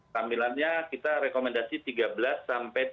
kamilannya kita rekomendasi tiga belas tiga puluh lima tahun ya dokter